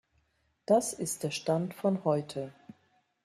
Das ist der Stand von heute.